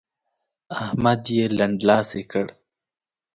احمد يې لنډلاسی کړ.